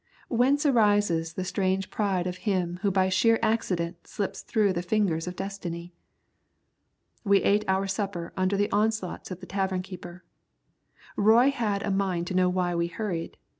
Whence arises the strange pride of him who by sheer accident slips through the fingers of Destiny? We ate our supper under the onslaughts of the tavern keeper. Roy had a mind to know why we hurried.